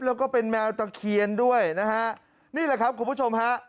แล้วก็เป็นแมวตะเคียนด้วยนะฮะนี่แหละครับคุณผู้ชมฮะ